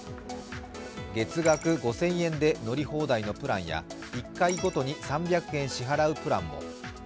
月額５０００円で乗り放題のプランや１回ごとに３００円支払うプランも。